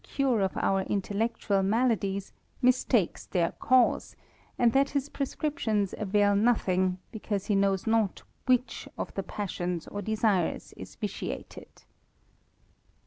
ctire of our iatellectual maladies, mistakes their cause ; apj that his prescriBtigns^amil nothing^ because he knows not which of the passions or desires is vitiated.